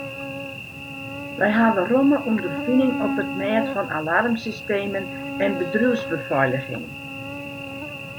Wy hawwe romme ûnderfining op it mêd fan alarmsystemen en bedriuwsbefeiliging.